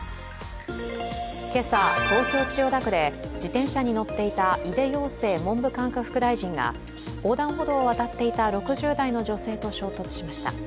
今朝、東京・千代田区で自転車に乗っていた井出庸生文部科学副大臣が横断歩道を渡っていた６０代の女性と衝突しました。